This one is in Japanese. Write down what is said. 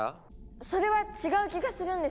それは違う気がするんです。